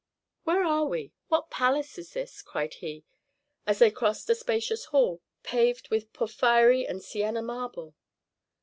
Where are we? What palace is this?" cried he, as they crossed a spacious hall paved with porphyry and Sienna marble.